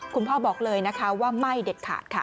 บอกเลยนะคะว่าไม่เด็ดขาดค่ะ